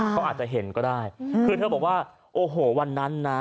เขาอาจจะเห็นก็ได้คือเธอบอกว่าโอ้โหวันนั้นนะ